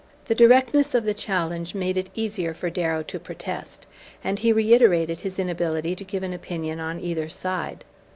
The directness of the challenge made it easier for Darrow to protest, and he reiterated his inability to give an opinion on either side.